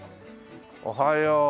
おはよう。